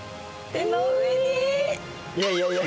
いやいやいや。